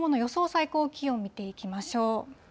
最高気温見ていきましょう。